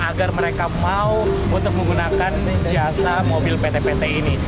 agar mereka mau untuk menggunakan jasa mobil pt pt ini